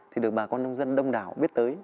thì được bà con nông dân đông đảo biết tới